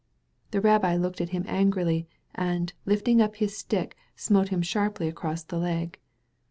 '* The rabbi looked at him angrily, and, lifting up his stick, smote him sharply across the leg.